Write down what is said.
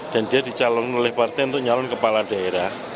dan dia dicalon oleh partai untuk nyalon kepala daerah